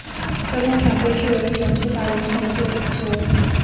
这通常被视为是一种缺乏人权的作为。